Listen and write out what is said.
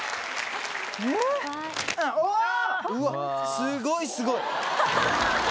すごいすごい。